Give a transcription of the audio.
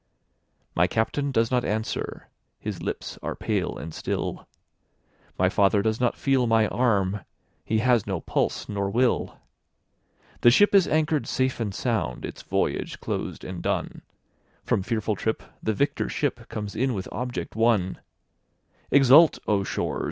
My Captain does not answer, his lips are pale and still, My father does not feel my arm, he has no pulse nor will; The ship is anchor'd safe and sound, its voyage closed and done, From fearful trip the victor ship comes in with object won; 20 Exult, O shores!